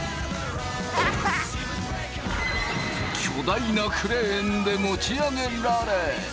巨大なクレーンで持ち上げられ。